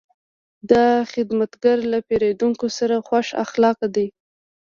دا خدمتګر له پیرودونکو سره خوش اخلاقه دی.